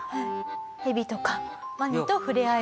ヘビとかワニと触れ合える。